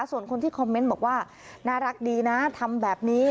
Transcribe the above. ส่วนคนที่คอมเมนต์บอกว่าน่ารักดีนะทำแบบนี้